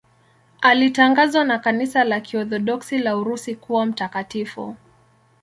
Alitangazwa na Kanisa la Kiorthodoksi la Urusi kuwa mtakatifu.